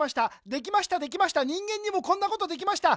できましたできました人間にもこんなことできました。